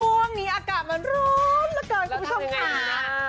วันนี้อากาศมันร้อนแล้วกันคุณผู้ชมค่ะ